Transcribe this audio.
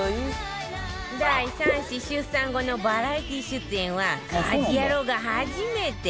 第３子出産後のバラエティー出演は「家事ヤロウ！！！」が初めて。